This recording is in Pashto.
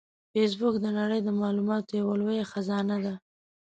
فېسبوک د نړۍ د معلوماتو یوه لویه خزانه ده